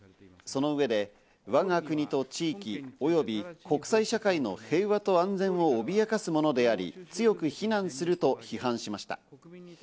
その上でわが国と地域及び国際社会の平和と安全を脅かすものであり強く非難すると批判しました。